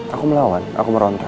aku melawan aku merontak